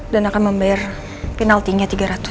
dan akan membayar penaltinya tiga ratus